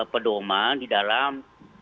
pedoman di dalam